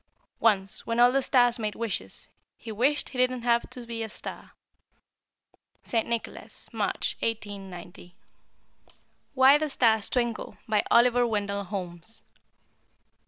Once, when all the stars made wishes, he Wished he didn't have to be a star. St. Nicholas, March, 1890. WHY THE STARS TWINKLE. BY OLIVER WENDELL HOLMES.